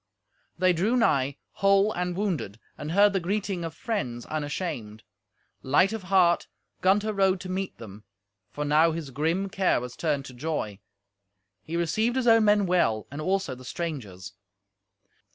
They drew nigh, whole and wounded, and heard the greeting of friends unashamed. Light of heart Gunther rode to meet them, for now his grim care was turned to joy. He received his own men well and also the strangers.